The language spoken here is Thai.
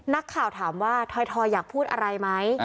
นักข่าวถามว่าถอยอยากพูดอะไรไหม